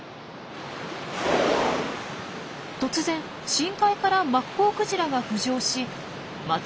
突然深海からマッコウクジラが浮上しまた